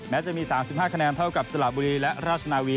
จะมี๓๕คะแนนเท่ากับสละบุรีและราชนาวี